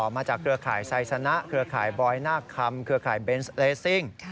เครือข่ายไซสนะเครือข่ายบอยนาคคำเครือข่ายเบนส์เลสซิ่ง